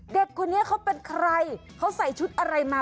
เด็กคนนี้เขาเป็นใครเขาใส่ชุดอะไรมา